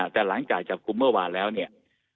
แต่หลังจากจับกลุ่มเมื่อวานแล้วเนี่ย